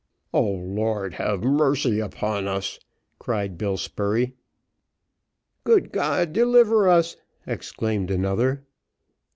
"O Lord! have mercy upon us," cried Bill Spurey. "Good God, deliver us!" exclaimed another.